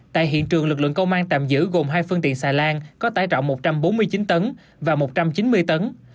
tại hiện trường lực lượng công an tạm giữ gồm hai phương tiện xà lan có tải trọng một trăm bốn mươi chín tấn và một trăm chín mươi tấn